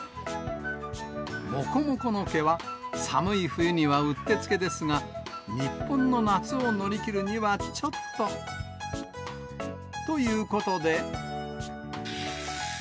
もこもこの毛は、寒い冬にはうってつけですが、日本の夏を乗り切るにはちょっと。ということで。